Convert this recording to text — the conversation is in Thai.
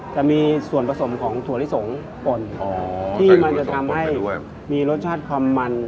จะมีส่วนผสมของถั่วลิสงป่นที่มันจะทำให้มีรสชาติความมัน